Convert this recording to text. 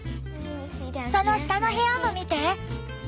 その下の部屋も見て。